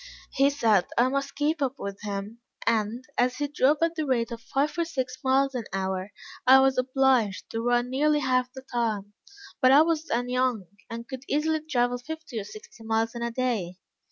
He said I must keep up with him, and, as he drove at the rate of five or six miles an hour, I was obliged to run nearly half the time; but I was then young, and could easily travel fifty or sixty miles in a day.